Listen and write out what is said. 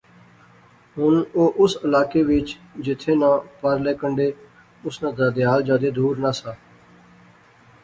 ہن او اس علاقہ وچ جتھیں ناں پارلے کنڈے اس ناں دادھیال جادے دور نہسا